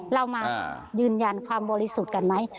เรามายืนยันความบริสุทธิ์กันไหม